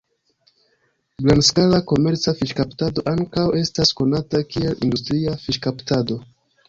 Grandskala komerca fiŝkaptado ankaŭ estas konata kiel industria fiŝkaptado.